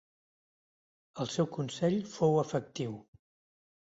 El seu consell fou efectiu.